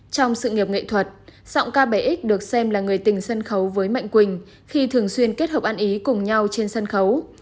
trong sự nghiệp nghệ thuật giọng ca bảy x được xem là người tình sân khấu với mạnh quỳnh khi thường xuyên kết hợp ăn ý cùng nhau trên sân khấu